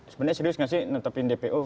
sebenarnya serius gak sih netepin dpo